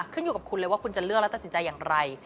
ขึ้นอยู่กับคุณเลยว่าคุณจะเลือกแล้วตัดสินใจอย่างไร